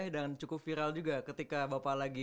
cukup viral juga ketika bapak lagi